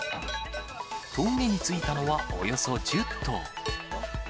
峠に着いたのはおよそ１０頭。